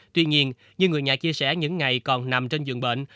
tuy nhiên như người nhà chia sẻ những ngày còn nằm trên giường bệnh